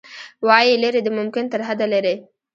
وايي، لیرې د ممکن ترحده لیرې